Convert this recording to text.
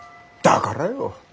だからよ